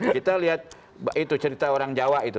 kita lihat itu cerita orang jawa itu